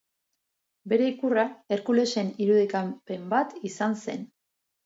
Bere ikurra Herkulesen irudikapen bat izan zen.